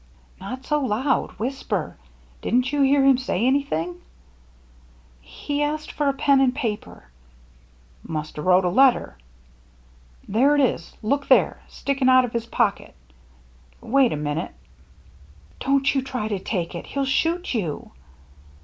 " Not so loud 7 whisper. Didn't you hear him say anything ?"" He asked for a pen and paper." " Must 'a' wrote a letter. There it is — look there — sticking out of his pocket. Wait a minute." " Don't you try to take it. He'll shoot you."